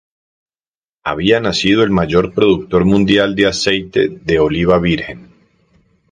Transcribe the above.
Había nacido el mayor productor mundial de aceite de oliva virgen.